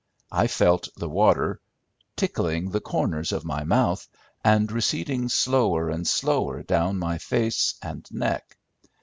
I felt the water tickling the corners of my mouth, and receding slower and slower down my face and neck.